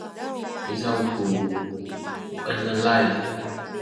izaw ku puenelay